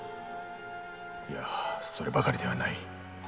そればかりではない。